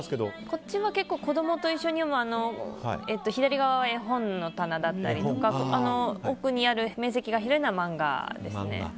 こっちは結構子供と一緒に読む左側は絵本の棚だったりとか奥にある面積が広いのは漫画です。